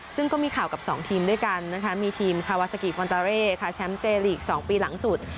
ซึ่งก็มีข่าวกับสองทีมด้วยกันนะคะมีทีมคาวาสากิฟอลตาเร่ช้ำเจลีกสองปีหลังสุด